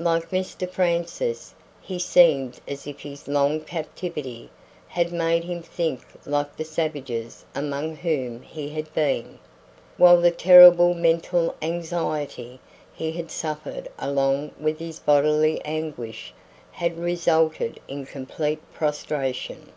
Like Mr Francis, he seemed as if his long captivity had made him think like the savages among whom he had been; while the terrible mental anxiety he had suffered along with his bodily anguish had resulted in complete prostration.